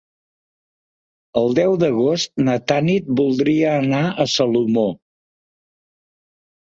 El deu d'agost na Tanit voldria anar a Salomó.